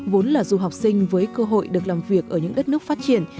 vốn là du học sinh với cơ hội được làm việc ở những đất nước phát triển